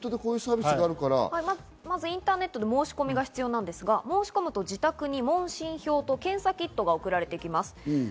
インターネットで申し込みが必要なんですが、申し込むと自宅に問診表と検査キットが送られてきます。